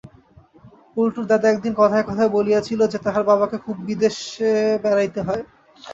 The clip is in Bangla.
পল্টুর দাদা একদিন কথায় কথায় বলিয়াছিল যে তাহার বাবাকে খুব বিদেশে বেড়াইতে হয়।